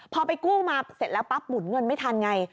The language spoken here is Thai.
พอไปกู้มาเสร็จแล้วปั๊บหมุนเงินไม่ทันไง